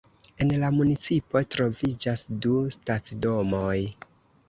En la municipo troviĝas du stacidomoj.